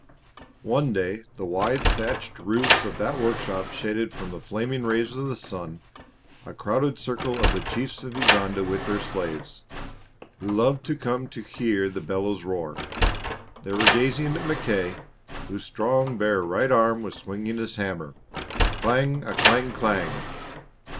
One day the wide thatched roof of that workshop shaded from the flaming rays of the sun a crowded circle of the chiefs of Uganda with their slaves, who loved to come to "hear the bellows roar." They were gazing at Mackay, whose strong, bare right arm was swinging his hammer "Clang a clang clang."